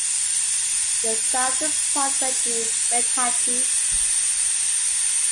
The southern part went to Waitaki.